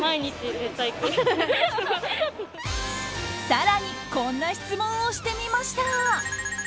更にこんな質問をしてみました。